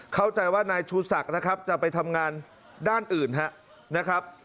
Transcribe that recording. เข้าใจว่านายชูศักดิ์นะครับจะไปทำงานด้านอื่นนะครับ